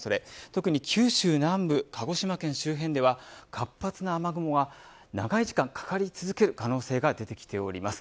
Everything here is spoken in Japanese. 特に九州南部鹿児島県周辺では活発な雨雲が長い時間かかりづける可能性が出てきています。